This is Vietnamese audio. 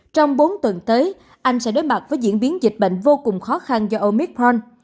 trong bốn tuần tới anh sẽ đối mặt với diễn biến dịch bệnh vô cùng khó khăn do omithon